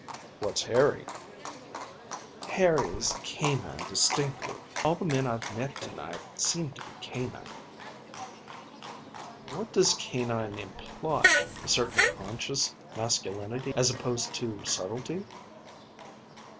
"What's Harry?" "Harry's canine distinctly. All the men I've to night seem to be canine." "What does canine imply? A certain conscious masculinity as opposed to subtlety?"